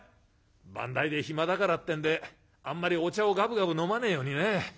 「番台で暇だからってんであんまりお茶をガブガブ飲まねえようにね。